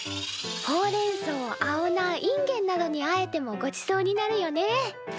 ほうれんそう青菜いんげんなどにあえてもごちそうになるよね。